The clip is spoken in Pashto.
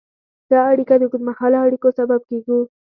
ښه اړیکه د اوږدمهاله اړیکو سبب کېږي.